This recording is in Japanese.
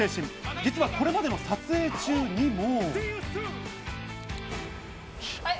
実はこれまでの撮影中にも。